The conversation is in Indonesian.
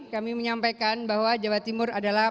kami menyampaikan bahwa jawa timur adalah